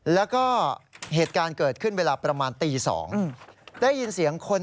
แล้วก็เหตุการณ์เกิดขึ้นเวลาประมาณตี๒